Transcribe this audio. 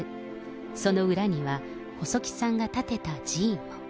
その裏には、細木さんが建てた寺院も。